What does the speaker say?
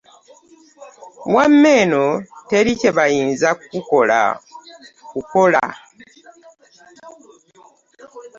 Wamma eno teri kye bayinza kukukola.